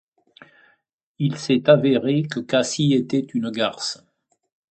Il s’est avéré que Cassie était une garce.